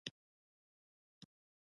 مقدسه مافیا هم شته ده.